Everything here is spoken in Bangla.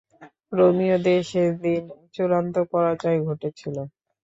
রোমীয়দের সেদিন চূড়ান্ত পরাজয় ঘটেছিল।